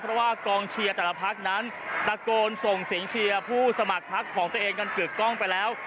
เพราะว่ากองเชียร์แต่ละพักนั้นตะโกนส่งเสียงเชียร์ผู้สมัครพักของตัวเองกันกึกกล้องไปแล้ว